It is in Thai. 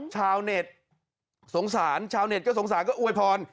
ชาวเน็ตสงสารชาวเน็ตก็สงสารก็อวยพร